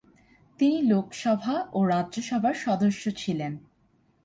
তিনি লোকসভা ও রাজ্যসভার সদস্য ছিলেন।